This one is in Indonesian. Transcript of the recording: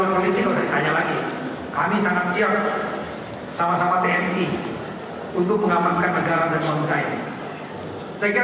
bisa younger dan pir empat